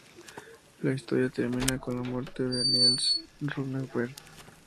La historia termina con la muerte de Nils Runeberg.